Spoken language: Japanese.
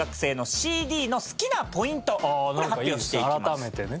改めてね。